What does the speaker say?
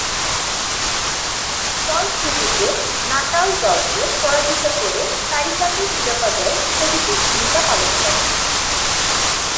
ফলশ্রুতিতে নাটাল দলকে পরাজিত করে কারি কাপের শিরোপা জয়ে সবিশেষ ভূমিকা পালন করেন।